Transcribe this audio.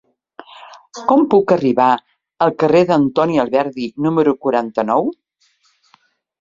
Com puc arribar al carrer d'Antoni Alberdi número quaranta-nou?